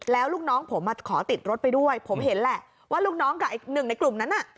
แล้วลูกน้องผมขอติดรถไปด้วยผมเห็นแหละว่าลูกน้องกับอีกหนึ่งในกลุ่มนั้นน่ะ